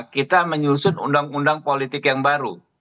kita menyusun undang undang politik yang baru